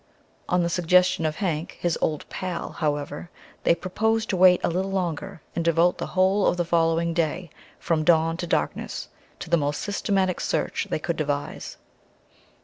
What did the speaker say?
On the suggestion of Hank, his old pal, however, they proposed to wait a little longer and devote the whole of the following day, from dawn to darkness, to the most systematic search they could devise.